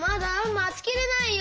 まちきれないよ！